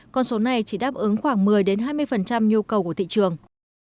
con số này chỉ đáp ứng khoảng một mươi hai mươi nhu cầu của thị trường